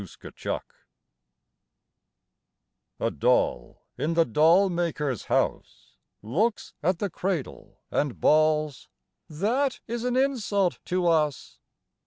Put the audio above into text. II THE DOLLS A doll in the doll maker's house Looks at the cradle and balls: 'That is an insult to us.'